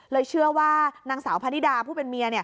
เชื่อว่านางสาวพะนิดาผู้เป็นเมีย